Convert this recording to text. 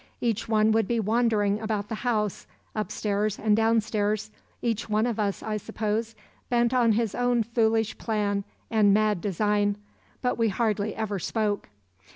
Each one would be wandering about the house, upstairs and downstairs, each one of us, I suppose, bent on his own foolish plan and mad design, but we hardly ever spoke.